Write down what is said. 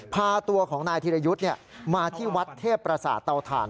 พาตัวของนายธิรยุทธ์มาที่วัดเทพประสาทเตาถ่าน